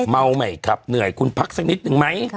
เมาใหม่ขับเหนื่อยคุณพักสักนิดนึงไหม